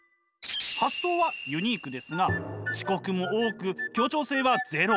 発想はユニークですが遅刻も多く協調性はゼロ。